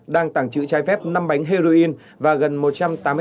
đang tảng trữ trái phép năm bánh heroin và gần một trăm tám mươi tỷ đồng